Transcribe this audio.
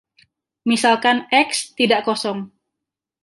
Misalkan "X" tidak kosong.